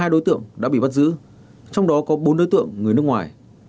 một mươi hai đối tượng đã bị bắt giữ trong đó có bốn đối tượng người nước ngoài